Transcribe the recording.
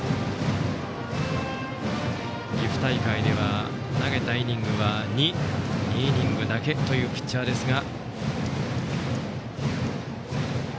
岐阜大会では、投げたイニングは２イニングだけというピッチャーですが。